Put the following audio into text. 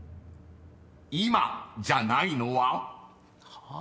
［今じゃないのは？］